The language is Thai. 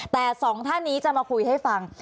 แต่สองท่านนี้จะมาคุยให้ฟัง